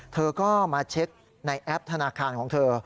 เธอก็มาเช็คในแอปธนาคารของเธอ